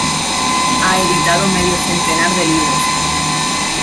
Ha editado medio centenar de libros.